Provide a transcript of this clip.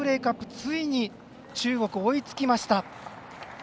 ついに中国、追いつきました。